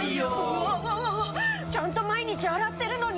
うわわわわちゃんと毎日洗ってるのに。